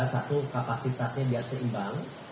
satu kapasitasnya biar seimbang